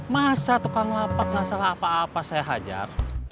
masa tukang lapak gak salah apa apa saya hajar